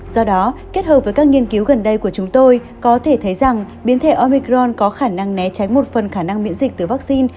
do đó kết hợp với các nghiên cứu gần đây của chúng tôi có thể thấy rằng biến thể omicron có khả năng né tránh một phần khả năng miễn dịch từ vaccine